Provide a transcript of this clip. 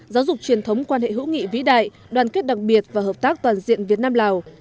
giáo dục truyền thống quan hệ hữu nghị vĩ đại đoàn kết đặc biệt và hợp tác toàn diện việt nam lào